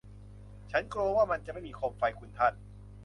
ฉันกลัวว่ามันจะไม่มีโคมไฟ คุณท่าน